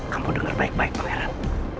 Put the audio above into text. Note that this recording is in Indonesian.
kamu dengar baik baik pangeran